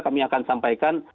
kami akan sampaikan